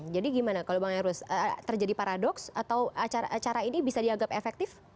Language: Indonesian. jadi gimana kalau bang erus terjadi paradoks atau acara ini bisa diagap efektif